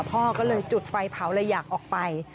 พ่อก็เลยจุดไฟเผาเลยอยากออกไป